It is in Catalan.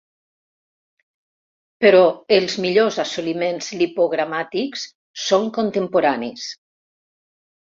Però els millors assoliments lipogramàtics són contemporanis.